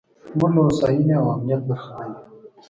موږ له هوساینې او امنیت برخمن یو.